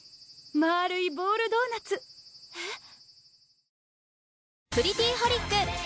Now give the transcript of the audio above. まるいボールドーナツえっ？